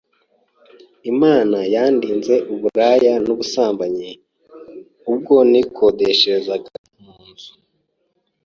Imana yandinze uburaya n’ubusambanyi ubwo nikodesherezaga mu nzu